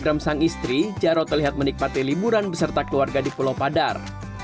dalam sang istri jarod terlihat menikmati liburan beserta keluarga di pulau padar